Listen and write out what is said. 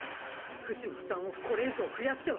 フシの負担をこれ以上増やしては！